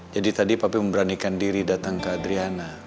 jadi tadi papi memberanikan diri datang ke adriana